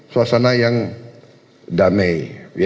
suasana yang damai